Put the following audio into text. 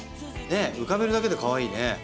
浮かべるだけでかわいいね！